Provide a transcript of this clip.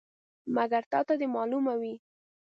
مګر تا ته دې معلومه وي.